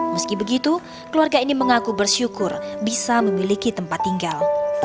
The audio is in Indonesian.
meski begitu keluarga ini mengaku bersyukur bisa memiliki tempat tinggal